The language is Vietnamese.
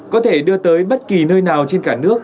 có thể đưa tới bất kỳ nơi nào trên cả nước